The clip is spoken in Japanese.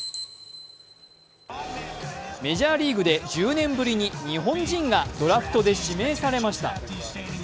メジャーリーグで１０年ぶりに日本人がドラフトで指名されました。